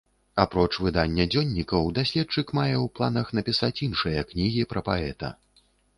Апроч выдання дзённікаў, даследчык мае ў планах напісаць іншыя кнігі пра паэта.